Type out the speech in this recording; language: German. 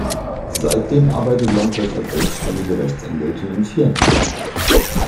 Seitdem arbeitet Lambrecht als selbständige Rechtsanwältin in Viernheim.